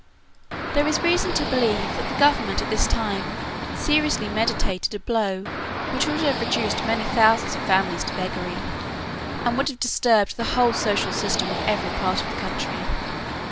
There is reason to believe that the government at this time seriously meditated a blow which would have reduced many thousands of families to beggary, and would have disturbed the whole social system of every part of the country.